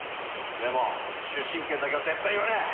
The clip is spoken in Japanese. でも出身県だけは絶対言わねぇ！